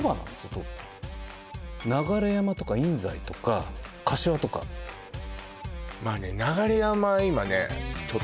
トップ流山とか印西とか柏とかまあね